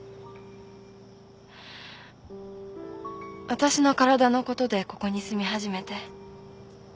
わたしの体のことでここに住み始めて。